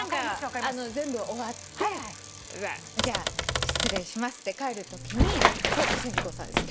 それで全部終わってじゃあ失礼しますって帰るときにコウ静子さん